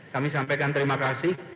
kami sampaikan terima kasih